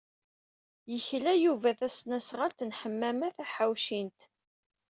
Yekla Yuba tasnasɣalt n Ḥemmama Taḥawcint.